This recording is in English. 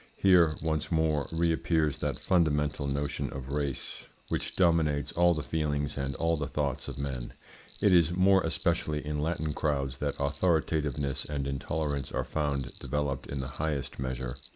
Here, once more, reappears that fundamental notion of race which dominates all the feelings and all the thoughts of men. It is more especially in Latin crowds that authoritativeness and intolerance are found developed in the highest measure.